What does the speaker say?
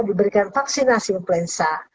diberikan vaksinasi influenza